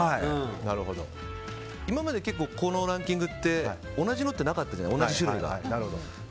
今まで結構、このランキングって同じのがなかったじゃないですか。